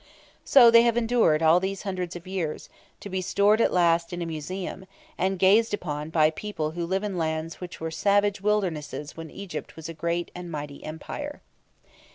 So they have endured all these hundreds of years, to be stored at last in a museum, and gazed upon by people who live in lands which were savage wildernesses when Egypt was a great and mighty Empire.